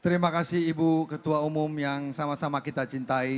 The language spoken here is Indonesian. terima kasih ibu ketua umum yang sama sama kita cintai